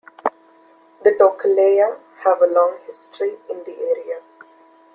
The Tokaleya have a long history in the area.